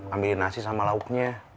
ambilin nasi sama lauknya